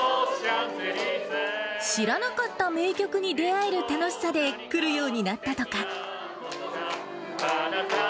知らなかった名曲に出会える楽しさで来るようになったとか。